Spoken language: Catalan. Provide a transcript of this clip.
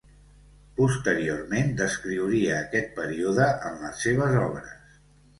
Posteriorment descriuria aquest període en les seves obres.